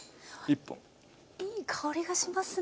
いい香りがしますね